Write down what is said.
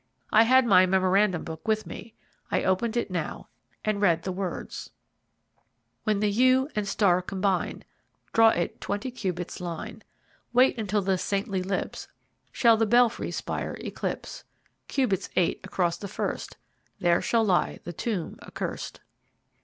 I had my memorandum book with me; I opened it now, and read the words: When the Yew and Star combine. Draw it twenty cubits line; Wait until the saintly lips Shall the belfry spire eclipse. Cubits eight across the first There shall lie the tomb accurst.